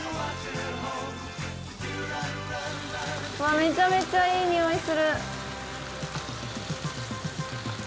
めちゃめちゃいい匂いする！